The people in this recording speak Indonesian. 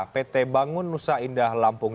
pt bangun nusa indah lampung